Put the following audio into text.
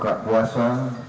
kita buka puasa